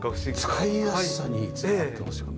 使いやすさにつながってますよね。